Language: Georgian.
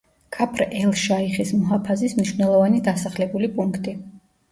ქაფრ-ელ-შაიხის მუჰაფაზის მნიშვნელოვანი დასახლებული პუნქტი.